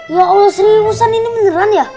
ya allah seriusan ini menyerang ya